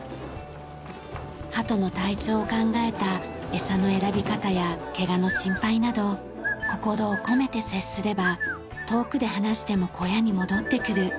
鳩の体調を考えたエサの選び方やケガの心配など心を込めて接すれば遠くで放しても小屋に戻ってくる。